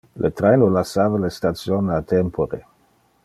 Le traino lassava le station a tempore.